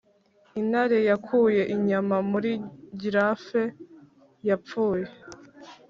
intare yakuye inyama muri giraffe yapfuye.